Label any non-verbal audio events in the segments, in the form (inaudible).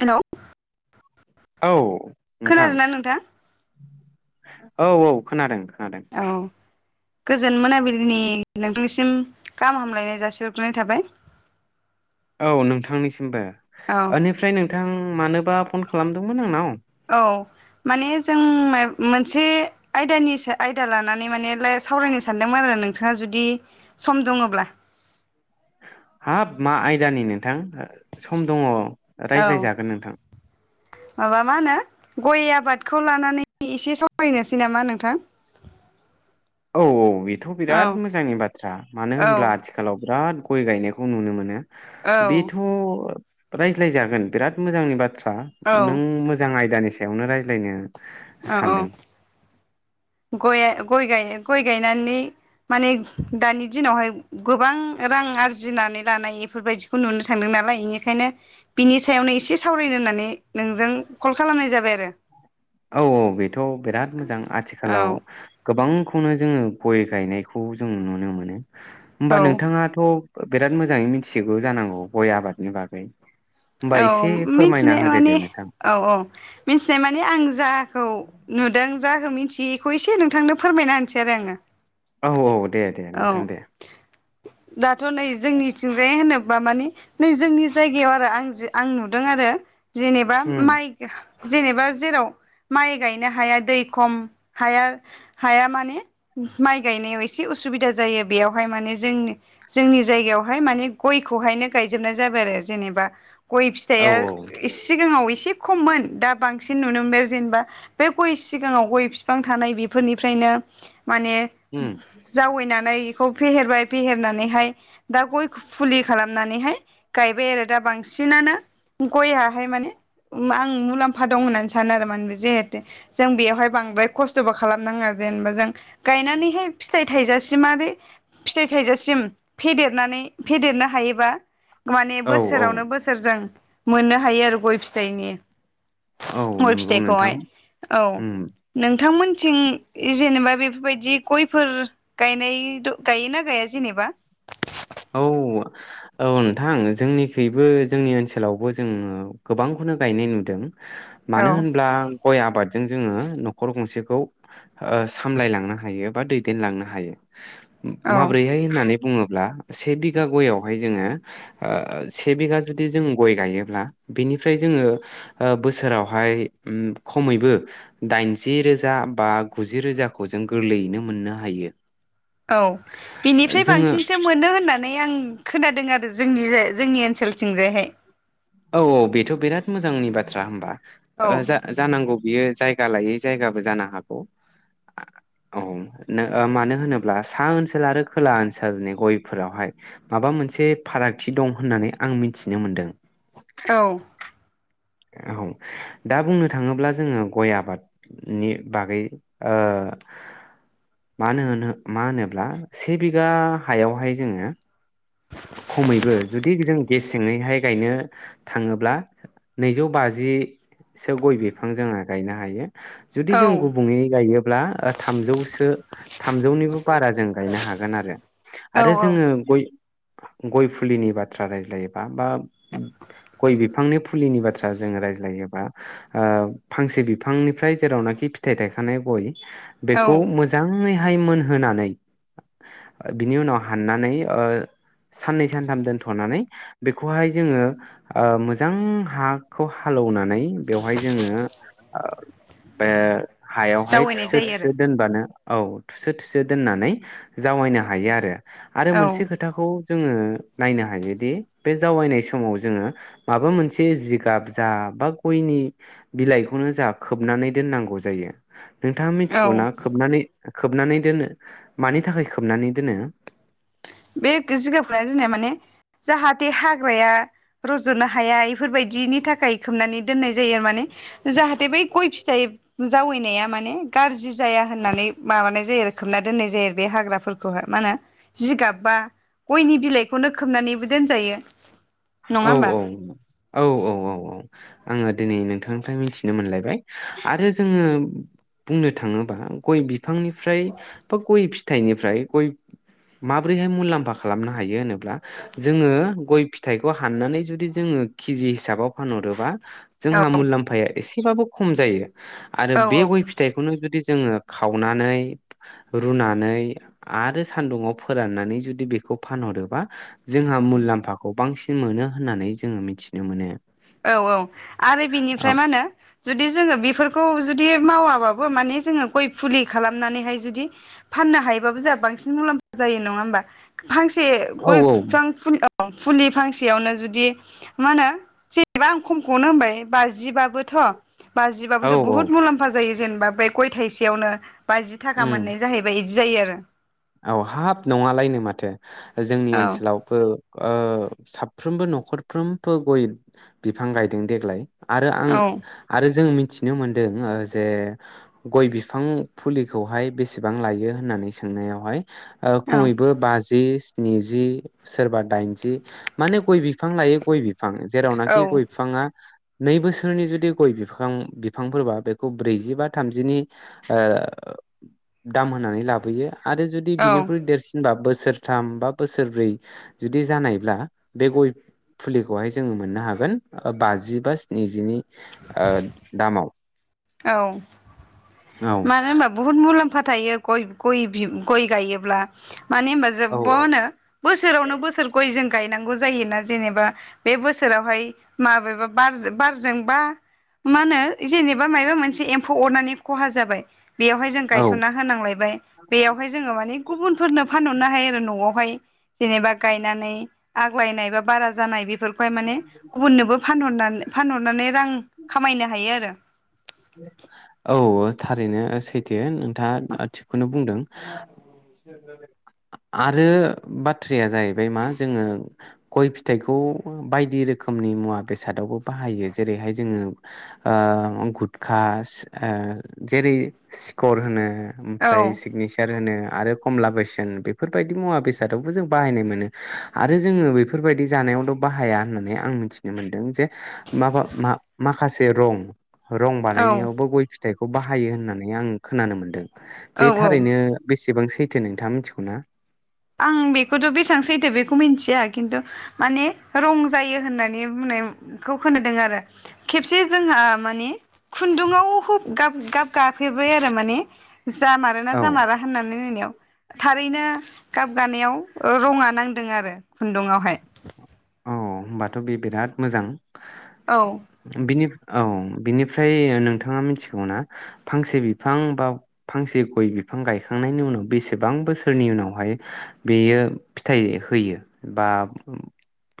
Hello औ। नोंथां खोनादोंना नोंथां? औ औ खोनादों। खोनादों। औ गोजोन मोनाबिलिनि नोंथांनिसिम गाहाम हामलायनाय जासिहरग्रोनाय थाबाय। औ नोंथांनिसिमबो। औ ओनिफ्राय नोंथां मानोबा फन खालामदोंमोन आंनाव? औ माने जों मोनसे आयदानि आयदा लानानै माने सावरायनो सानदोंमोन आरो नोंथाङा जुदि सम दङब्ला? हाब मा आयदानि नोंथां सम दङ। औ रायज्लायजागोन नोंथां माबा मा होनो गय आबादखौ लानानै एसे सावरायनोसै नामा नोंथां। औ औ बेथ' औ बिराद मोजांनि बाथ्रा मानो औ होनब्ला आथिखालाव बिराद गय गायनायखौ नुनो मोनो। औ बेथ' रायज्लायजागोन बिराद मोजांनि बाथ्रा। औ नों मोजां आयदानि सा बेखौनो रायज्लायनो सानदों गया गय गय गय गायनानै माने दानि दिनावहाय गोबां रां आरजिनानै लानाय बेफोरबायदिखौ नुनो थांदों नालाय बेनिखायनो बिनि सायावनो एसे सावरायनो होननानै नोंजों कल खालामनाय जाबाय आरो। थिखालाव आरो गोबांखौनो जोङो। गय गायनायखौ जों नुनो मोनो। औ होमबा नोंथाङाथ'। बिराद मोजाङै मिथिजोबो जानांगौ गय आबादनि बागै। होमबा एसे औ फोरमायना मिथिनाय होदो माने दे नोंथां औ औ मिथिनाय माने आं जों खौ नुदों जाखौ मिथियो बेखौ एसे नोंथांनो फोरमायना होनसै आरो आङो। औ औ दे दे नोंथां औ दे। दाथ' नै जोंनिथिंजाय होनोब्ला माने नै जोंनि जायगायाव आरो आं। जे आं नुदों आरो। जेनेबा उम माइ जेनेबा जेराव। माइ गायनो हाया दै खम हाया हाया माने माइ गायनायाव एसे उसुबिदा जायो बेयावहाय माने जों जोंनि जायगायावहाय माने गयखौहायनो गायजोबनाय जाबाय आरो जेनेबा गय औ औ फिथाइया सिगाङाव एसे खममोन दा बांसिन नुनो मोनबाय जेनेबा बे गय सिगाङाव गय बिफां थानाय बेफोरनिफ्रायनो माने उम जावैना नाय खौ फेहेरबाय फेहेरनानैहाय दा गय फुलि खालामनानैहाय गायबाय आरो दा बां बांसिनानो गयाहाय माने आं मुलाम्फा दं होननानै सानो आरो माने बे जिहेतु जों बेयावहाय बांद्राय खस्थ'बो खालामनााङा जेनेबा जों गायनानैहाय फिथाइ थाइजासिम आरो फिथाइ थाइजासिम फेदेर। देरनानै फेदेरनो हायो माने औ औ बोसोरावनो बोसो मोननो हायो आरो गय फिथाइनि औ गय नंगौ नोंथां फिथाइखौहाय औ उम नोंथांमो थिं जेनेबा बेफोरबायदि गयफोर गायनाय गायोना गाया जेनेबा? औ औ नोंथां जोंनिखैबो जोंनि ओनसोलावबो जों गोबांखौनो गायनाय नुदों। औ मानो होनब्ला गय आबादजों जोङो न'खर गंसेखौ ओ सामलायलांनो हायो बा दैदेनलांनो हायो। औ माब्रैहाय होननानै बुङोब्ला से बिघा गयावहाय जोङो ओ से बिगा जुदि जों गय गायोब्ला बिनिफ्राय जोङो ओ बोसोरावहाय ओ खमैबो दाइनजि रोजा बा गुजि रोजाखौ जों गोरलैयैनो मोननो हायो औ बिनिफ्राय जोङो बांसिनसो मोनो होननानै आं खोनादों आरो जोंनिजाय जोंनि ओनसोलथिंजायहाय औ औ बेथ' बिराद मोजांनि बाथ्रा होमबा औ ओ जा जानांगौ बियो जाय जायगा लायै जायगाबो जानो हागौ औ ओ मानो होनोब्ला सा ओनसोल आरो खोला ओनसोलनि गयफोरावहाय माबा मोनसे फारागथि दं होननानै आं मिथिनो मोन्दों औ औ दा बुंनो थाङोब्ला जोङो गय आबादनि बागै ओ मानो होनो मा होनोब्ला से बिगा हायावहाय जोङो खमैबो जुदि जों गेसेङैहाय गायनो थाङोब्ला नैजौ बाजिसो गय बिफां जोंङो गायनो हायो जुदि जों गुबुङयै गायोब्ला थामजौसो थामजौनिबो बारा जों गायनो हागोन आरो औ आरो औ जोङो गय गय फुलिनि बाथ्रा रायज्लायोबा बा गय बिफांनि फुलिनि बाथ्रा जोङो रायज्लायोबा ओ फांसे बिफांनिफ्राय जेरावनाखि फिथाइ थायखानाय गय बेखौ औ मोजाङै मोजाङै मोनहोनानै बिनि उनाव हाननानै ओ साननै सानथाम दोनथ'नानै बेखौहाय जोङो ओ मोजां हाखौ हालेवनानै बेवहाय जोङो ओ बे हायावहाय जावैनाय थुसो जायो थुसो दोनबानो औ थुसो थुसो दोननानै जावैनो हायो आरो आरो मोनसे खोथाखौ ओ नायनो हायोदि बे जावयैनाय समाव जोङो माबा मोनसे जिगाब जा बा गयनि बिलाइखौनो जा खोबनानै दोननांगौ जायो नोंथाङा औ मिथिगौ ना औ खोबनानै खोबनानै दोनो मानि थाखाय खोबनानै दोनो बे जिगाब खोबना दोननाया माने जाहाथे हाग्राया रज'नो हाया एफोरबायदिनि थाखाय खोबनानै दोननाय जायो आरो माने जाहाथे बै गय फिथाइ जावैनाया माने गाज्रि जाया होननानै माबानाय जायो आरो खोबना दोननाय जायो आरो बे हाग्राफोरखौहाय मा होनो जिगाब बा गयनि बिलाइखौनो खोबनानैबो दोनजायो औ नङा औ होमबा? औ औ औ औ आङो दिनै नोंथांनिफ्राय मिथिनो मोनलायबाय आरो जोङो बुंनो थाङोबा गय बिफांनिफ्राय बा गय फिथाइनिफ्राय गय माब्रैहाय मुलाम्फा खालामनो हायो होनोब्ला जोङो गय फिथाइ बेखौ हाननानै जुदि जोङो केजि हिसाबाव फानहरोबा औ जोंहा मुलाम्फाया एसे एसेबाबो खम जायो आरो औ बे औ गय फिथाइखौनो जुदि जोङो खावनानै रुनानै आरो सान्दुंआव फोराननानै जुदि बेखौ फानहरोबा जोंहा मुलाम्फाखौ बांसिन मोनो होननानै जोङो मिथिनो मोनो औ औ आरो औ बिनिफ्राय मा होनो जुदि जोङो बेफोर खौ जुदि मावाबाबो माने जोङो गय फुलि खालामनानैहाय जुदि फाननो हायोबाबो जोंहा बांसिन मुलाम्फा जायो नङा होमबा फांसे औ गय बिफां फुलि फुलि फांसेयावनो जुदि मा होनो सि एबा आं खमखौनो होनबाय बाजिबाबोथ' औ बाजिबाबोथ' औ बुहुत मुलाम्फा जायोे जेने बा बे गय थाइसेयावनो बाजि थाखा उम मोननाय जाहैबाय। बिदि जायो आरो औ हाब नङालायनो माथो। जोंनि आरो ओनसोलावबो ओ साफ्रोमबो न'खरफ्रोमबो गय बिफां गायदों देग्ला आरो आं औ आरो जों मि मिथिनो मोन्दों ओ जे गय बिफां फुलिखौहाय बेसेबां लायो होननानै सोंनायाव (unintelligible) ओ औ खमैबो बाजि सि नैजि सोरबा दाइनजि माने गय बिफां लायै गय बि बिफां औ जेरावनाखि गय बिफाङा नै बोसोरनि जुदि गय बिफां बिफांफोरबा बेखौ ब्रैजि बा थामजिनि ओ दाम होनानै लाबोयो। आरो जुदि औ बिनिख्रुइ देरसिनबा बोसोरथाम बा बोसोरब्रै जुदि जानायब्ला बे गय फुलिखौहाय जोङो मोननो हागोन ओ बाजि बा स्निजिनि ओ दामाव। औ। औ मानो होनबा बुहुत मुलाम्फा थायो गय गय गय गायोब्ला। माने होनबा औ जोबबो होनो बोसोरावनो बोसोर गय जों गायनांगौ जायोना जेनेबा बे बोसोरावहाय माबेबा बारजोंबा मा होनो जेनेबा माबा मोनसे एम्फौ अरनानै खहा। जाबाय। बेयावहाय जों औ गायसनना होनांलायबाय बेयावहाय जोङो माने गुबुनफोरनो फानहरनो हायो आरो न'आवहाय जेनेबा गायनानै आग्लायनाय बा बारा जानाय बे फोरखौहाय माने गुबुननोबो फानहरनानै फानहरनानै रां खामायनो हायो आरो। औ थारैनो सैथो नोंथाङा ओ थिगखौनो बुंदों आरो बाथ्राया जाहैबाय मा जोङो गय फिथाइखौ बायदि रोखोमनि मुवा बेसादावबो बाहायो जेरैहाय जोङो ओ खुद कास ओ जेरै सिकर होनो औ ओमफ्राय सिगनेसार होनो आरो कमला पेसोन बेफोरबायदि मुवा बेसादावबो जों बाहायनाय मोनो आरो जोङो बेफोरबायदि जानायावल' बाहाया होननानै आं मिथिनो मोनदों जे मा बा‌ माबा माखासे रं रं औ बानायनायावबो गय फि फिथाइखौ बाहायो होननानै आं खोनानो मोन्दों। बे औ औ थारैनो बेसेबां सै सैथो नोंथाङा मिथिगौ ना? आं बेखौथ' बेसेबां सैथो बे मिथिया खिन्थु माने रं जायो होननानै बुंनायखौ होनोदों आरो खेबसे जोंहा माने खुन्दुंआव गाब गाब गाफेरबाय आरो माने जामारोना औ जामारा होननानै नायनायाव थारैनो गाब गानायाव रङा नांदों आरो खुन्दुुंआवहाय औ होनोमबाथ' बे बिराद मोजां औ बिनि औ बिनिफ्राय नोंथाङा मिथिगौ ना फांसे बिफां बा फांसे गय बिफां गायखांनायनि उनाव बेसेबां बोसोरनि उनावहाय बेयो फिथाइ होयो बा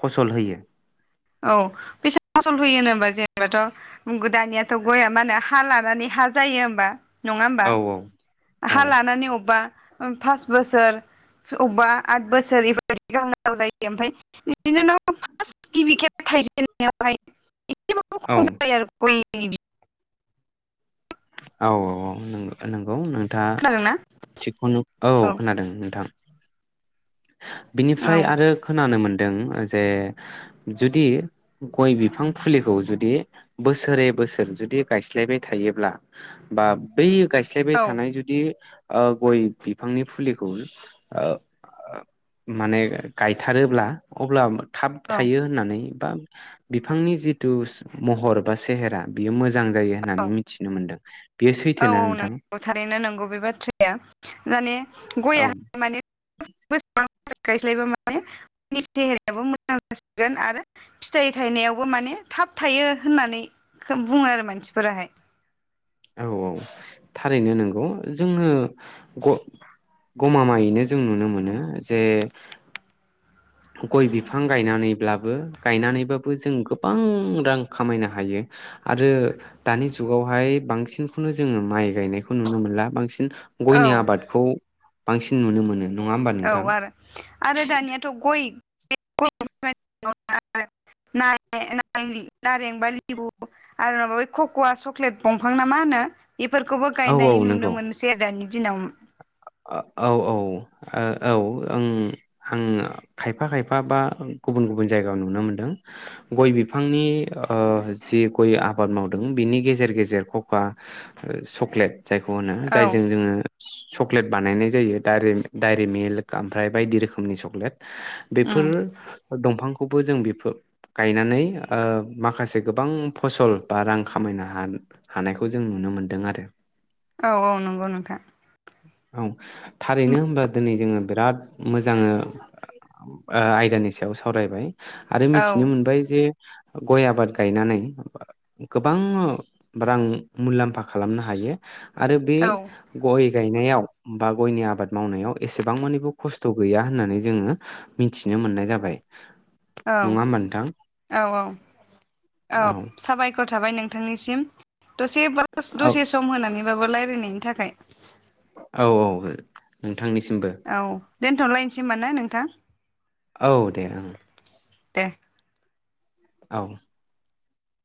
फसल होयो औ बेसा फसल होयो होनो होमबा जेनेबाथ' दानियाथ' गया मा होनो हा लानानै हा जायो होमबा नङा होमबा औ औ हा लानानै अबेबा पास बोसोर अबेबा आद बोसोर बेबायदि गाहाव जायो ओमफ्राय बिन उनाव फार गिबि खेब थायजेननायावहाय औ (unintelligible) आरो (unintelligible) औ औ औ नोंगौ नोंथा खोनादोंना थिगखौनो औ खोनादों नोंथां औ औ बिनिफ्राय आरो खोनानो मोनदों जे जुदि गय बिफां फुलिखौ जुदि बोसोरै बोसोर जुदि गायस्लायबाय थायोब्ला बा बै गायस्लायबाय थानाय जुदि ओ गय बिफांनि फुलिखौ ओ माने गायथारोब्ला अब्ला थाब औ थायो होननानै बा बिफांनि जिथु महर बा सेहेरा बियो मोजां मोजां जायो होननानै औ मिथिनो मोनदों बेयो औ सैथोना औ नोंथां नंगौ थारैनो नंगौ बे बाथ्राया माने गया औ माने (unintelligible) (unintelligible) फिथाइ थायनायावबो माने थाब थायो होननानै बुङो आरो मानसिफोराहाय औ औ थारैनो नंगौ जोङो गमामायैनो जों नुनो मोनो जे गय बिफां गायनानैब्लाबो गायनानैबाबो जों गोबां रां खामायनो हायो आरो दानि जुगावहाय बांसिन बांसिनखौनो जोङो माइ गायनायखौ नुनो मोनला बांसिन औ गयनि आबादखौ बांसिन नुनो मोनो नङा होमबा औ नोंथां आरो आरो दानियाथ' गय (unintelligible) नारें बा लेबु आरो माबा कक'व चक्लेट दंफां ना मा होनो बेफोरखौबो औ गायनाय औ नुनो नंगौ मोनसै दानि दिनाव औ औ ओ औ ओं ओं खायफा खायफा बा गुबुन गुबुन जायगायाव नुनो मोनदों गय बिफांनि ओ जि गय आबाद मावदों बिनि गेजेर गेजेर खका चक्लेट जायखौ होनो औ जायजों जोङो चक्लेट बानायनाय जायो डायरि मिलक ओमफ्राय बायदि रोखोमनि चक्लेट उम बेफोर दंफां खौबो जों बेफोर गायनानै ओ माखासे गोबां फसल बा रां खामायनो हा हानायखौ जों नुनो मोन्दों आरो औ औ नंगौ नोंथां औ थारैनो होनबा दिनै जोङो बिराद मोजां ओ आयदानि सायाव सावरायबाय आरो औ मिथिनो मोनबाय जे गय आबाद गायनानै गोबां रां मुलाम्फा खालामनो हायो आरो बे औ गय गायनायाव बा गयनि आबाद मावनायाव एसेबां मानिबो खस्थ' गैया होननानै जोङो मिथिनो मोननाय जाबाय औ नङा होमबा नोंथां औ औ औ साबायखर थाबाय नोंथांनिसिम दसे ब औ दसे सम होनानैबाबो रायलायनायनि थाखाय औ औ ओं नोंथांनिसिमबो औ दोनथ'लायनोसै होमबा ना नोंथां औ दे ओं दे औ